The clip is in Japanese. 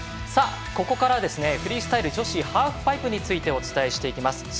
ここからはフリースタイル女子ハーフパイプについてお伝えしていきます。